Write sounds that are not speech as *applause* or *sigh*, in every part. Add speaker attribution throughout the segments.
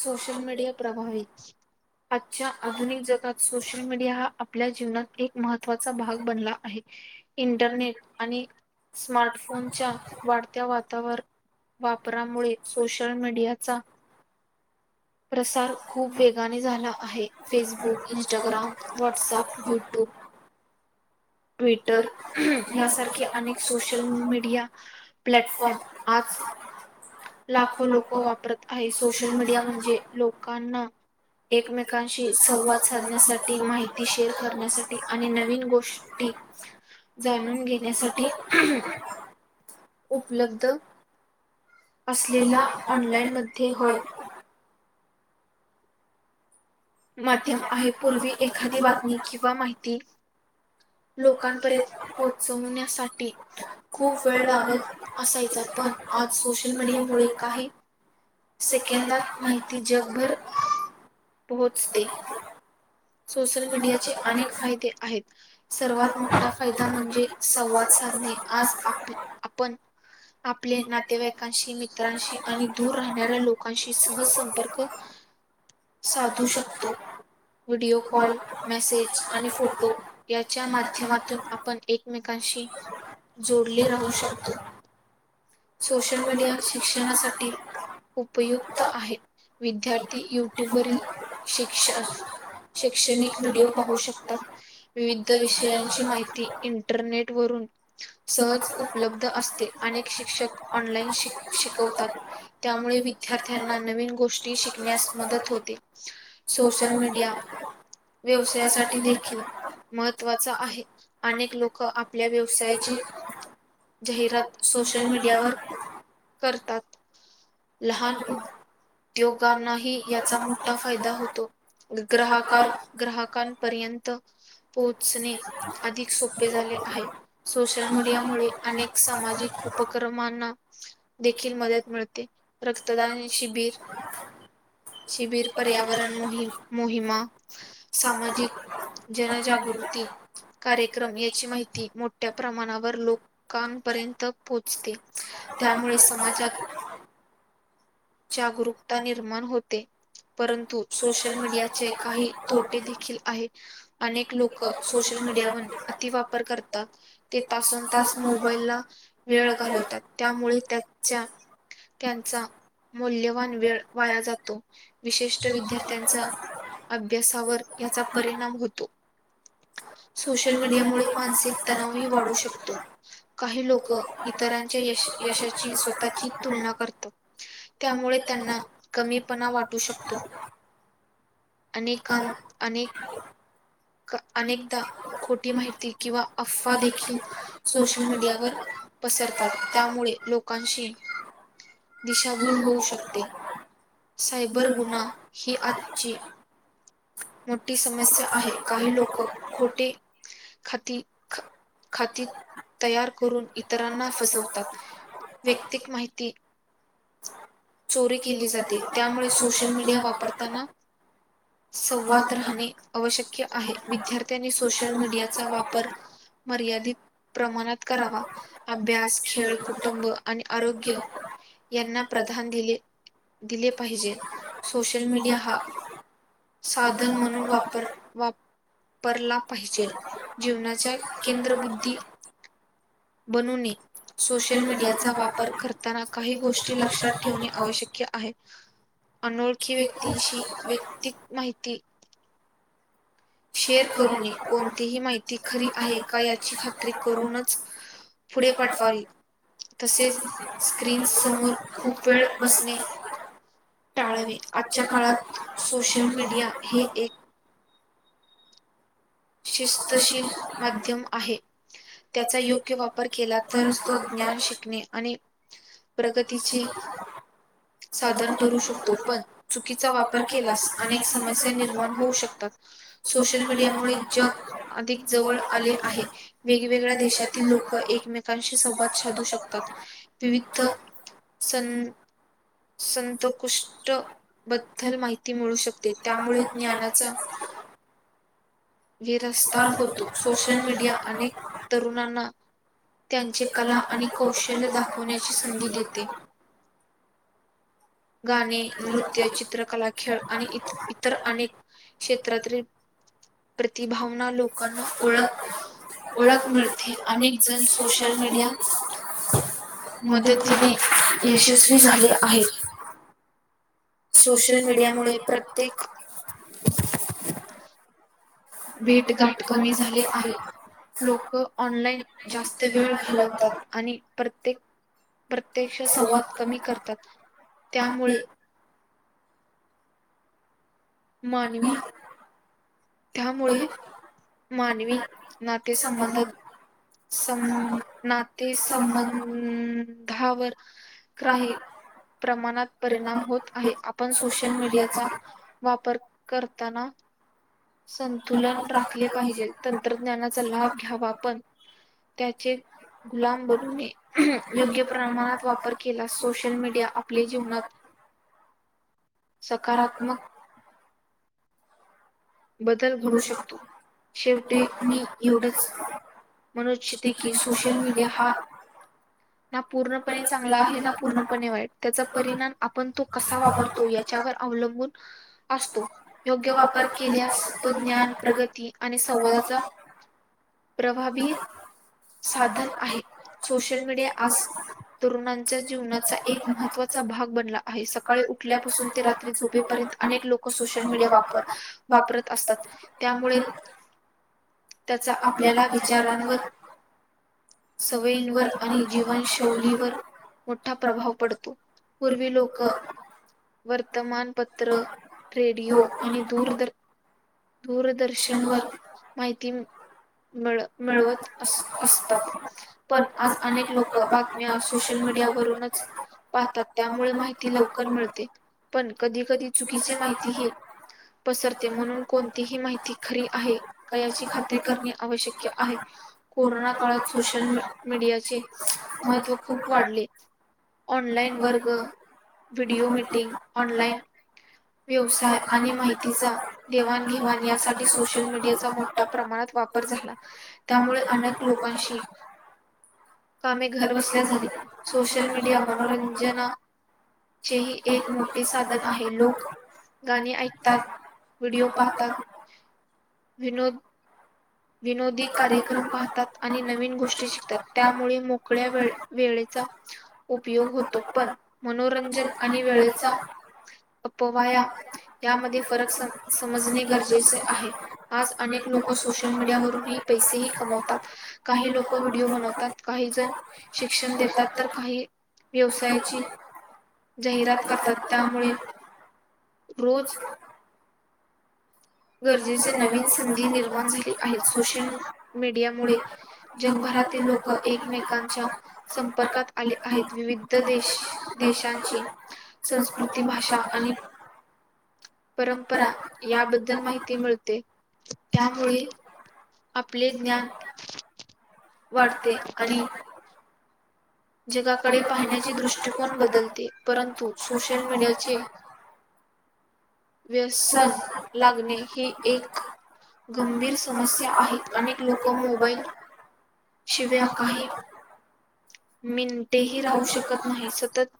Speaker 1: Social media प्रभावी. आजच्या आधुनिक जगात सोशल मीडिया हा आपल्या जीवनात एक महत्त्वाचा भाग बनला आहे. इंटरनेट आणि स्मार्टफोनच्या वाढत्या वातावर वापररामुळे सोशल मीडियाचा प्रसार खूफ वेगाने झाला आहे Facebook Instagram WhatsApp YouTube *inaudible* Twitter यासारखे अनेक सोशल मीडिया प्लॅटफॉर्म आज लाखो लोकं वापरत आहेस. सोशल मीडिया म्हजें लोकांना. एकमेकांशी संवाद साधण्यासाठी माहिती शेअर करण्यासाठी आणि नवीन गोष् जाणून घेण्यासाठी उपलब्ध असलेला ऑनलाइन मध्ये होय. माध्यम आहे पूर्वी एखादी बातमी किंवा माहिती लोकांपर्यंत पोहोचवण्यासाठी खूप वेळ लागत असायचा पण आज सोशल मीडिया मुळे काही सेकंदात माहिती जगभर पोहचते सोसल मीडियाचे अनेक फायदे आहेत सर्वात मोठा फायदा म्हणजे संवाच सांहे आज आपे आपण आपले नातेवाईकांशी मित्रांशी आणि दूर राहणाऱ्या लोकांशी सह संंपर्क साधू शकतो. व्हिडिओ कॉल मेसेज आणि फोटो याच्या माध्यमातून आपण एकमेकांशी जोडले राहू शकतो सोशल मीडिया शिक्षणासाठी उपयुक्त आहे विद्यार्थी युट्यूबवररील शिक्षण शिक्षणिक व्हिडिओ पाहू शकतात विविध विषयांची माहिती इंटररनेट वरून सहज उपलब्ध असते अनेक शिक्षक ऑनलाईन शिक शिकवतात त्या मुळे विद्यार्थ्यांना नविन गोष्टी शिकण्यास मदत होते सोशल मी या व्यवसायासाठी देखील महत्त्वाचा आहे अनेक लोकं आपल्या व्यवसायाचे जाहिरात सोशल मीडियावर करतात. लहान उद्योगांनाही याचा मोठा फायदा होतो. ग्राहकार ग्राहकांपर्यंत पोहचणे अधिक सोपे झाले. आहे सोशल मुडिया अनेक सामाजिक उपक्रमांना देखील म तेत मिळते रक्तदान शिबिर शिबिर पर्यावरण मोहीम मोहिमा, सामाजिक जनजागृती कार्यक्रम याची माहिती मोठ्या प्रमाणावर लोकां पर्यंत पोहचते. त्यामुळे समाजात. जागरूकता निर्माण होते परंतु सोशल मीडिया चे काही तोटे देखील आहे अनेक लोक सोशल मीडिया हुन अतिवापर कर तात ते तासंतास मोबाईला वेळ घालतात त्यामुळे त्याच्या त्यांचा मौल्यवान वेळ वाया जातो विशिष्ट विद्यार्थ्यांचा अभ्यासावर ह्याचा परिणाम होतो. सोशल मीडिया मुळे मानसिक तणावही वाढू शकतो काही लोक इतरांच्या यश यशाची स्वतः ची तुलना करतं त्यामुळे त्यांना कमीपणा वाटू शकतो. अनेकाण अनेक. क अनेकदा खोटी माहिती किंवा अफवा देखील सोशल मीडियावर पसर सायबर गु्न्हा ही आ.
Speaker 2: *unintelligible*
Speaker 1: मोठी समस्या आहे काही लोकं खोटे खाती
Speaker 2: *inaudible*
Speaker 1: तयार करून इतरांना फसवतात वैयक्तिक माहिती चोरी केली जाते त्यामुळे सोशल मीडिया वापरताना सवाद राहणे अवशक्य आहे. विद्यार्थ्यांनी सोशल मीडियाचा वापर मर्यादित प्रमाणात करावा. अभ्यास, खेळ, कुटुंब आणि आरोग्य यांना प्रधान दिले दिले पाहिजे. सोशल मीडिया हा साधन म्हणून वापर वाप परला पाहिजे जीवनाच्या केंद्रबुद्धी. बनूने सोशल मीडियाचा वापर करताना काही गोष्टी लक्षात ठेवणे आवश्यक आहे. अनोळखी व्यक्तींशी व्यक्तिक माहिती शेअर करू नये. कोणतीही माहिती खरी आहे का याची खात्री करूनच पुढे पाठवावी. तसेच स्क्रीन समोर खूप वेळ बसणे टाळावे आजच्या काळात सोशल मीडिया हे एक. - शिस्तशील माध्यम आहे त्याचा योग्य वापर- वापर केला तर तो ज्ञान शिकणे आणि. प्रगतीचे साधन? ठरू शकतो पण चुकीचा वापर केल्यास अने क समस्या निर्माण होऊ शकतात. मीडयामुळे जग अधिक जवळ आले आहे वेगवेगळ्या देशातील लोक एकमेकांशी संवाद साध- शकतात *unintelligible* बद्दल माहिती मिळू शकते त्यामुळे ज्ञानाचा. *unintelligible* विरस्तार होतो सोशल मीडिया अनेक तरुणांना- त्यांचे कला आणि कौशल्य दाखवण्याची संधी देते. गाणे नृत्य चित्रकला खेळ आणि इ इतर अनेक क्षेत्रातील- प्रतिभावना लोकांना ओळख- ओळख मिळते अनेक जण सोशल मीडिया. मदतीने यशस्वी झाले आहेत?
Speaker 2: सोशल मीडियामुळे प्रत्येक-
Speaker 1: भेटगाट कमी झाले आहेत. लोक ऑनलाईन जास्त वेळ घालवतात आणि प्रत्येक- प्रत्यक्ष संवाद कमी करतात त्यामुळे-
Speaker 2: नाही
Speaker 1: त्यामुळे मानवी नाते संंबंधात. सं नाते संबंधावर काही- प्रमाणात परिणाम होत आहे आपण सोशल मीडियाचा- करताना संतुलन राखले पाहिजे तंत्रज्ञानाचा लाभ घ्यावा पण. त्याचे गुलाम बनु नये योग्य प्रमाणात वापर केला सोशल मीडिया- आपल्या जीवनात सकारात्मक- बदल घडू शकतो शेवटी मी एवढंच. म्हणू इच्छिते की सोशल मीडिया हा- ना पूर्णपणे चांगला आहे ना पूर्णपणे वाईट त्याचा परिणाम आपण तो कसा वापरतो याच्यावर- अवलंबून असतो योग्य वापर- केल्यास तो ज्ञान प्रगती आणि संवादाचा-
Speaker 2: *unintelligible*
Speaker 1: साधन आहे सोशल मीडिया आज तरुणांच्या जीवनाचा एक महत्त्वाचा भाग बनला आहे सकाळी- उठल्यापासून ते रात्री झोपेपर्यंत अनेक लोक सोशल मीडिया वापर - वापरत असतात त्यामुळे त्याचा आपल्याला विचारांवर सवयींवर आणि जीवनशौलीवर मोठा प्रभाव पडतो पूर्वी लोक वर्तमान पत्र रेडिओ आणि दूर दूरदर्शन वर माहिती मि मिळवत -असतात पण आज अनेक लोक बातम्या सोशल मीडया त्या वरूनच पाहतात त्यामुळे माहिती लवकर मिळते पण कधी -कधी चुकीचे माहिती ही पसरते म्हणून कोणतीही माहिती खरी आहे करण्याची खात्री करणे आवशक आहे कोरोना काळात सोशल मी -मीडियाचे महत्त्व खूप वाढले ऑनलाइन वर्ग, व्हिडिओ मिीटिंग, ऑनलाइन व्यवसाय आणि माहितीचा देवाण- घेवाण यासाठी सोशल मीडियाचा मोठ्या प्रमाणात वापर झाला. त्यामुळे अनेक लोक
Speaker 2: पा *inaudible*
Speaker 1: कामे घर बसल्या झाली सोशल मीडिया मनोरंजना चे हे एक मोठे साधन आहे. लोक गाणे ऐकतात. व्हिडिओ पाहतात, विनोद विनोदी कार्यक्रम पाहतात. आणि नवीन गोष्टी शिकतात. त्यामुळे मोकळ्या वेळेत. उपयोग होतो पण मनोरंजन आणि वेळेचा
Speaker 2: हो *unintelligible*
Speaker 1: त्यामध्ये फरक सम -समजणे गरजेचे आहे आज अनेक लोक सोशल सोशल मीडिया वून पैसेही कमवतात. काही लोक व्हिडिओ बनवतात. काही जण शिक्षण होतात तर काही व्यवसायाची.
Speaker 2: कर सकता ह मी ब *unintelligible*
Speaker 1: गरजेचे नवीन संधी निर्माण झाले. सोशल मीडिया मुळे जगभरातील लोक एकमेकांच्या संपर्कात बरकत आले आहेत विविध देश- देशांची संस्कृती भाषा आणि परंपरा या बद्दल ती मिळते त्यामुळे आपले ज्ञान वाढते *inaudible* आणि जगाकडे पाहण्याचे दृष्टिकोन बदलते परंतु सोशल मीडियाचे *inaudible*
Speaker 2: बेस लागभी एक *unintelligible* गंभीर समस्या आहेत *inaudible* आणि लोक मोबाईल शिबय *unintelligible* काय
Speaker 1: मिनटेही राहू शकत नाही सतत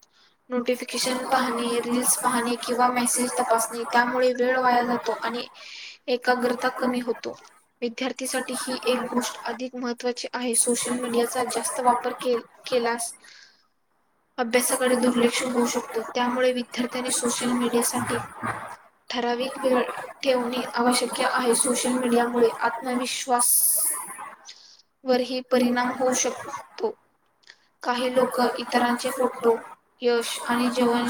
Speaker 1: नोटिफिकेशन पाहणे- रीलस पाहणे किंवा किंवा मेसेज तपासणी त्यामुळे वेळ वाया जातो आणि एकाग्रता कमी होतो विद्यार्थीसाठी ही एक गोष्ट अधिक महत्त्वाची आहे. सोशल मीडियाचा जास्त वापर केल. केलास. अभ्यासाकडे दुर्लक्ष होऊ शकतो त्यामुळे विद्यार्थ्यांनी सोशल मीडियासाठी ठराविक वेळ ठेवणे आवश्यक आहे सोशल मीडिया मुळे आत्मविश्वास वर हे परिणाम होऊ शकतो. काही लोक इतरांचे फोटो यश आणि जेवण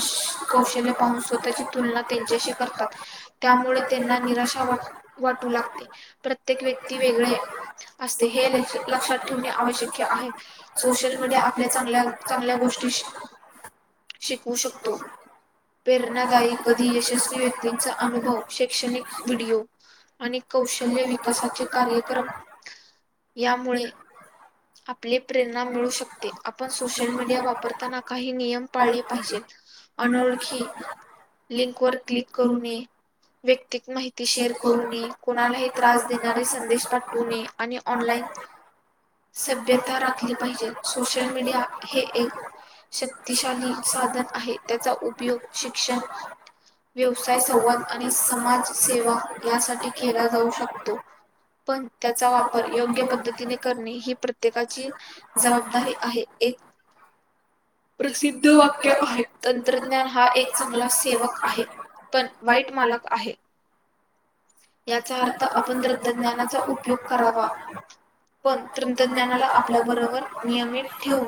Speaker 1: कौशल्य पाहून सुद्धा स्वताची तुलना त्यांच्याशी कर त्यामुळे त्यांना निराशा- वाटू लागते प्रत्येक व्यक्ती वेगळे असते हे -लक्षात ठेवणे आवश्यक आहे. सोशल मीडिया आपल्या चांगल्या -चांगल्या गोष्टी शि तें चा अनुभव
Speaker 2: *unintelligible*
Speaker 1: आपली प्रेर रणा मिळू शकते, आपण सोशल मीडिया वापरताना काही नियम पाळले पाहिजेत. अनोळखी की लिंक वर क्लिक करू नये व्यक्ती माहिती देणारे कोणालाही त्रास संदेश पाठवू नये आणलाईन. सभ्यता राखली पाहिजेल सोशल मीडिया हे शक्तिशाली साधन आहे त्याचा उपयोग शिक्षण व्यवसाय संवाद आणि समाज सेवा यासाठी केला जाऊ शकतो. पण त्याचा वापर योग्य पद्धतीने करणे ही प्रत्येकाची जबाबदारी आहे. एक प्रसिद्ध वाक्य आहे. तंत्रज्ञान हा एक चांगला सेवक आहे.. पण वाईट मालक आहे.
Speaker 2: याचा अर्थ आपण तंत्रज्ञानाचा उपयोग करावा हो तुमच्या ज्ञनाला आपल्या बरोबर नियमित ठीवून